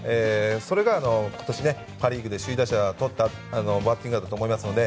それが今年パ・リーグで首位打者とったバッティングだと思うので。